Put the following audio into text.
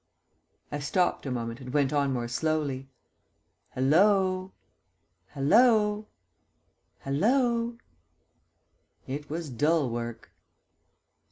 I stopped a moment and went on more slowly. "Hallo hallo hallo." It was dull work.